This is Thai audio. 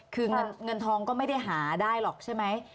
คือเงินทองก็ไม่ได้หาได้หรอกใช่ไหม